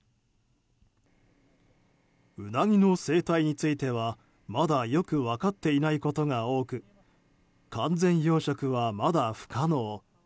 ウナギの生態についてはまだよく分かっていないことが多く完全養殖は、まだ不可能。